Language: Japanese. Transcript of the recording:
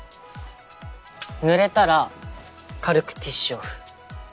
塗れたら軽くティッシュオフ。